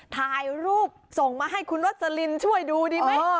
ถ่ายรูปส่งมาให้คุณวัสลินช่วยดูดีไหม